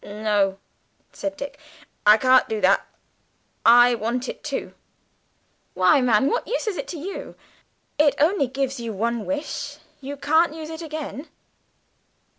"No," said Dick, "I can't do that; I want it too." "Why, man, what use is it to you? it only gives you one wish, you can't use it again."